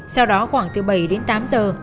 sau đó khoảng từ bảy đến một mươi giờ